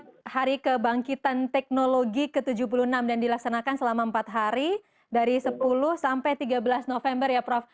ini adalah hari kebangkitan teknologi ke tujuh puluh enam dan dilaksanakan selama empat hari dari sepuluh sampai tiga belas november ya prof